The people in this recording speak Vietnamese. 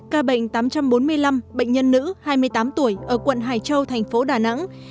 ca bệnh tám trăm bốn mươi năm bệnh nhân nữ hai mươi tám tuổi ở quận hải châu thành phố đà nẵng